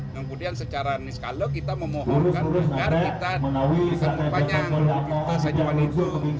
kemudian secara sekala kita memohonkan karena kita menjelang panjang kita saja mau itu